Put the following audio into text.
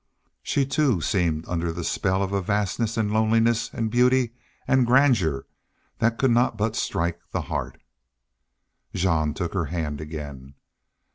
She too seemed under the spell of a vastness and loneliness and beauty and grandeur that could not but strike the heart. Jean took her hand again.